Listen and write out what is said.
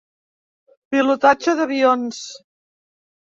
Pilotatge d'avions.